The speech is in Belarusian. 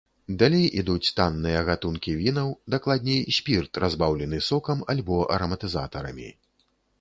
Далей ідуць танныя гатункі вінаў, дакладней, спірт, разбаўлены сокам альбо араматызатарамі.